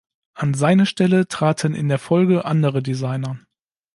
An seine Stelle traten in der Folge andere Designer.